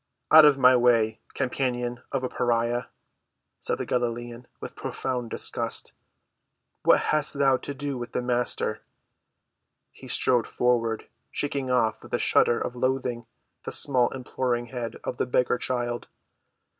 "Out of my way, companion of a pariah," said the Galilean, with profound disgust. "What hast thou to do with the Master?" He strode forward, shaking off with a shudder of loathing the small imploring hand of the beggar child.